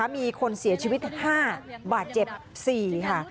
มีคนเสียชีวิต๕บาทเจ็บ๔ค่ะ